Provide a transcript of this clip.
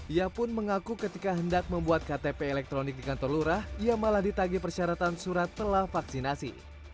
ia pun mengaku ketika hendak membuat ktp elektronik di kantor lurah ia malah ditagi persyaratan surat telah vaksinasi